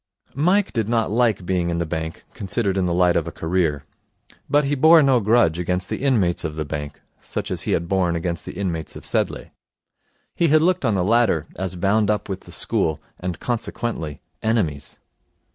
Mike did not like being in the bank, considered in the light of a career. But he bore no grudge against the inmates of the bank, such as he had borne against the inmates of Sedleigh. He had looked on the latter as bound up with the school, and, consequently, enemies.